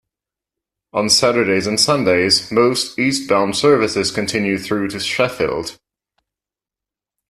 On Saturdays and Sundays, most eastbound services continue through to Sheffield.